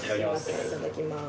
いただきます。